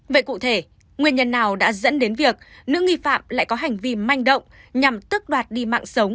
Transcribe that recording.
vậy cụ thể nguyên nhân nào đã dẫn đến việc nữ nghi phạm lại có hành vi manh động nhằm tức đoạt đi mạng sống